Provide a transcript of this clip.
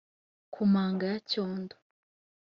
ku manga ya cyondo